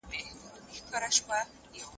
نړیوال قوانین د هیوادونو ترمنځ د سولي لار جوړوي.